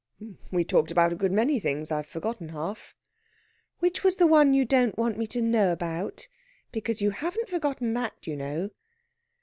"We talked about a good many things. I've forgotten half." "Which was the one you don't want me to know about? Because you haven't forgotten that, you know."